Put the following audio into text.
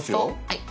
はい。